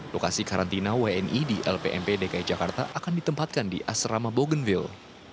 lokasi karantina wni di lpmp dki jakarta akan ditempatkan di asrama bogenville